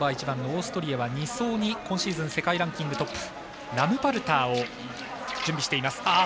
１番オーストリアは２走に今シーズン世界ランキングトップラムパルターを準備しています。